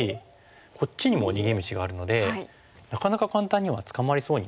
こっちにも逃げ道があるのでなかなか簡単には捕まりそうにないですよね。